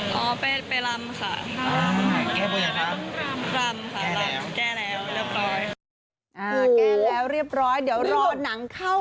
ขอเป็นอะไรคะสิ่งที่เป็นแรกเปลี่ยนเป็นอะไร